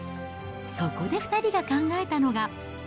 そこで２人が考えたのが。